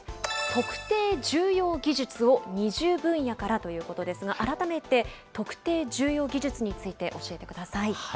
特定重要技術を２０分野からということですが、改めて、特定重要技術について、教えてください。